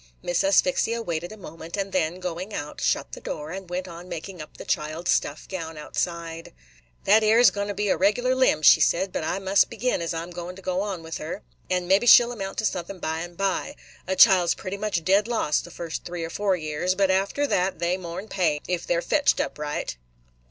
Miss Asphyxia waited a moment, and then, going out, shut the door, and went on making up the child's stuff gown outside. "That 'ere 's goin' to be a regular limb," she said; "but I must begin as I 'm goin' to go on with her, and mebbe she 'll amount to suthin' by and by. A child 's pretty much dead loss the first three or four years; but after that they more 'n pay, if they 're fetched up right."